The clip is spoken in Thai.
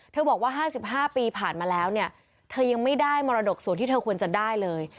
บอกว่า๕๕ปีผ่านมาแล้วเนี่ยเธอยังไม่ได้มรดกส่วนที่เธอควรจะได้เลย